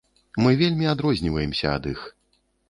Мы вельмі адрозніваемся ад іх.